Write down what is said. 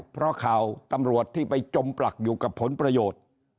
เพราะข่าวตำรวจที่ไปจมปลักอยู่กับผลประโยชน์